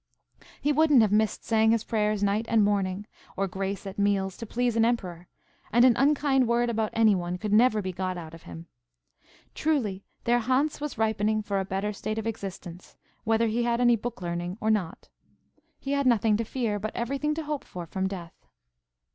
He wouldn't have missed saying his prayers night and morning, or grace at meals, to please an emperor; and an unkind word about any one could never be got out of him. Truly their Hans was ripening for a better state of existence, whether he had any book learning or not. He had nothing to fear, but everything to hope for, from death.